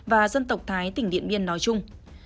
và dân tộc thái tỉnh điện biên nói chung